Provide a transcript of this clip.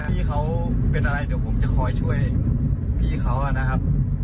พี่เขาเป็นอะไรเดี๋ยวผมจะคอยช่วยพี่เขานะครับ